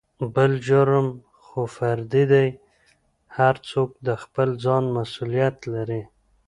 بل جرم خو فردي دى هر څوک دخپل ځان مسولېت لري.